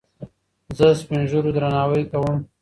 زه سپينږيرو درناوی کوم.